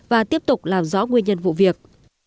và tiếp tục làm rõ nguyên nhân vụ việc